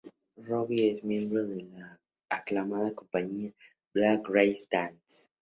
Robbie es miembro de la aclamada compañía "Black Grace Dance".